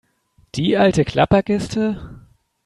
Die alte Klapperkiste?